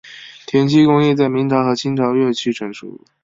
填漆工艺在明朝和清朝越趋成熟。